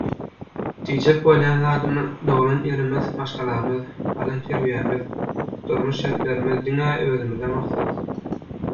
Diýjek bolýan zadym, doglan ýerimiz, maşgalamyz, alan terbiýämiz, durmuş şertlerimiz diňe özümize mahsus.